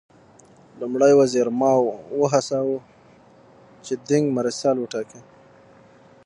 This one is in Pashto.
لومړي وزیر ماوو وهڅاوه چې دینګ مرستیال وټاکي.